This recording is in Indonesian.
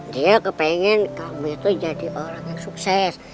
dia kepengen kamu itu jadi orang yang sukses